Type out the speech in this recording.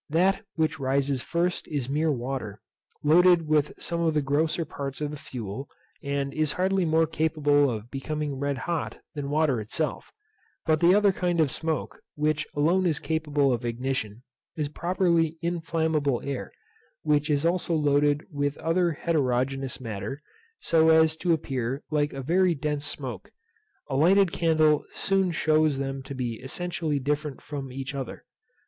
That which rises first is mere water, loaded with some of the grosser parts of the fuel, and is hardly more capable of becoming red hot than water itself; but the other kind of smoke, which alone is capable of ignition, is properly inflammable air, which is also loaded with other heterogeneous matter, so as to appear like a very dense smoke. A lighted candle soon shews them to be essentially different from each other.